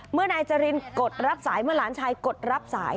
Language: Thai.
นายจรินกดรับสายเมื่อหลานชายกดรับสาย